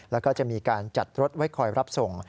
แล้วก็จะมีการจัดรถไว้คอยรับส่ง